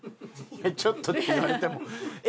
「ちょっと」って言われてもええ事やし。